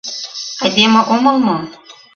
Айдеме омыл мо?